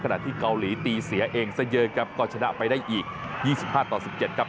ที่เกาหลีตีเสียเองซะเยอะครับก็ชนะไปได้อีก๒๕ต่อ๑๗ครับ